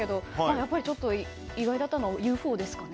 やっぱり、意外だったのはＵＦＯですかね。